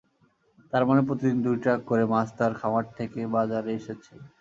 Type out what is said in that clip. তার মানে প্রতিদিন দুই ট্রাক করে মাছ তাঁর খামার থেকে বাজারে এসেছে।